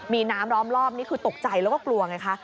มีน้ำล้อมรอบนี่คือตกใจแล้วก็กลัวไงคะ